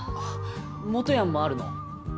もとやんもあるの？